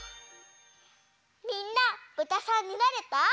みんなぶたさんになれた？